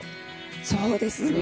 そうですね。